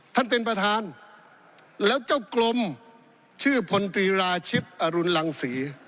ท่านประธานแล้วเจ้ากลมชื่อพลตรีราชิตอรุณรังศรี